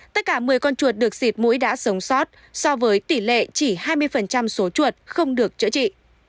tất cả một mươi con chuột được xịt mũi đã sống sót so với tỷ lệ chỉ hai mươi số chuột không được chữa trị